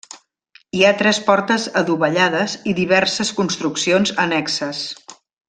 Hi ha tres portes adovellades i diverses construccions annexes.